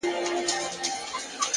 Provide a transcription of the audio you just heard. زما سره اوس لا هم د هغي بېوفا ياري ده،